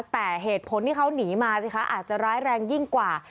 แต่เหตุผลที่เขาหนีมาสิคะอาจจะร้ายแรงยิ่งกว่า